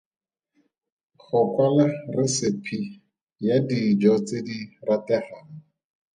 Go kwala resipi ya dijo tse di rategang.